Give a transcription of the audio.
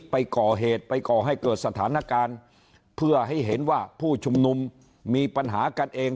ไปก่อเหตุไปก่อให้เกิดสถานการณ์เพื่อให้เห็นว่าผู้ชุมนุมมีปัญหากันเอง